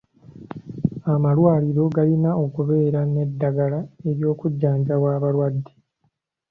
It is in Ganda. Amalwaliro galina okubeera n'eddagala ery'okujjanjaba abalwadde.